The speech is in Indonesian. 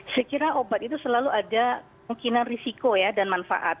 saya kira obat itu selalu ada kemungkinan risiko ya dan manfaat